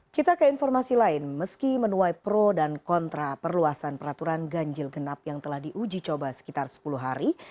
kita ke informasi lain meski menuai pro dan kontra perluasan peraturan ganjil genap yang telah diuji coba sekitar sepuluh hari